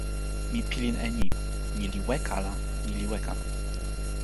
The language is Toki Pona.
mi pilin e ni: ni li weka la ni li weka.